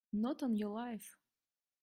Not on your life!